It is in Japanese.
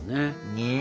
ねえ。